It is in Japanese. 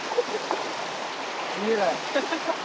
・見えない。